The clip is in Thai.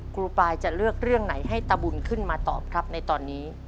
ปลายจะเลือกเรื่องไหนให้ตะบุญขึ้นมาตอบครับในตอนนี้